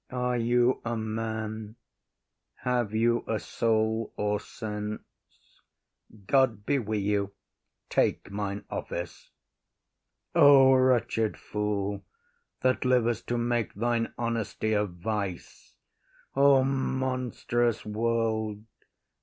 Are you a man? Have you a soul or sense? God be wi’ you. Take mine office.—O wretched fool, That liv’st to make thine honesty a vice! O monstrous world!